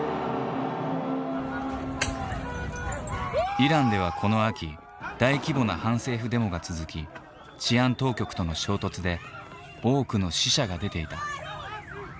イランではこの秋大規模な反政府デモが続き治安当局との衝突で多くの死者が出ていた。